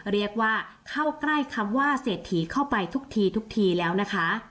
เรียกว่าเข้าใกล้คำว่าเสร็จถี่เข้าไปทุกทีแล้วนะคะ